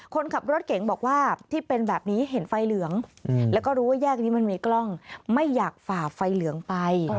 คนขับรถเก๋งบอกว่าที่เป็นแบบนี้เห็นไฟเหลืองแล้วก็รู้ว่าแยกนี้มันมีกล้องไม่อยากฝ่าไฟเหลืองไป